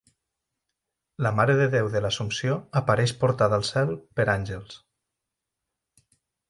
La marededéu de l'Assumpció apareix portada al cel per àngels.